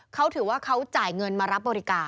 เขาถือว่าเขาจ่ายเงินมารับบริการ